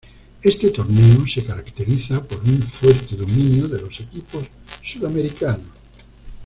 Este torneo se caracteriza por un fuerte dominio de los equipos sudamericanos.